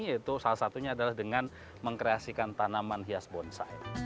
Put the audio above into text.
yaitu salah satunya adalah dengan mengkreasikan tanaman hias bonsai